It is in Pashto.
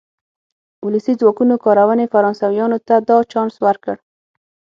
ولسي ځواکونو کارونې فرانسویانو ته دا چانس ورکړ.